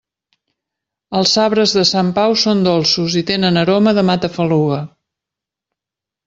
Els sabres de Sant Pau són dolços i tenen aroma de matafaluga.